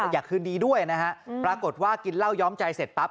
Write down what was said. อยากคืนดีด้วยนะฮะปรากฏว่ากินเหล้าย้อมใจเสร็จปั๊บ